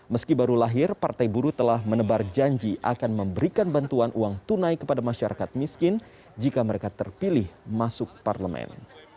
meski baru lahir partai buruh telah menebar janji akan memberikan bantuan uang tunai kepada masyarakat miskin jika mereka terpilih masuk parlemen